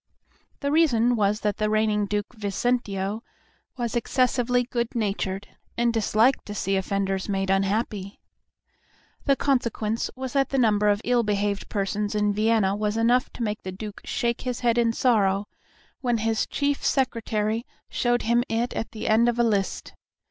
The reason was that the reigning Duke Vicentio was excessively good natured, and disliked to see offenders made unhappy. The consequence was that the number of ill behaved persons in Vienna was enough to make the Duke shake his head in sorrow when his chief secretary showed him it at the end of a list.